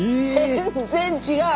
全然違う！